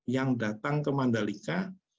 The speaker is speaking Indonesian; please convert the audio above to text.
yang datang ke mandalika